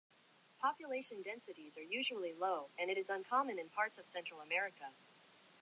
Population densities are usually low, and it is uncommon in parts of Central America.